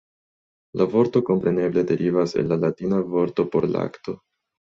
La vorto kompreneble derivas el la latina vorto por lakto.